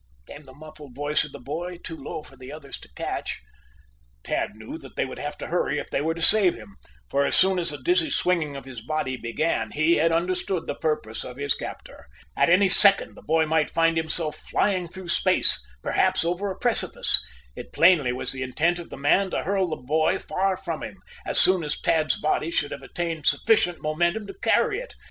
came the muffled voice of the boy, too low for the others to catch. Tad knew that they would have to hurry if they were to save him, for as soon as the dizzy swinging of his body began he had understood the purpose of his captor. At any second the boy might find himself flying through space perhaps over a precipice. It plainly was the intent of the man to hurl the boy far from him, as soon as Tad's body should have attained sufficient momentum to carry it.